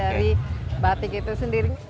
dari batik itu sendiri